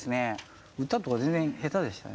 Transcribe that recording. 歌とか全然下手でしたね。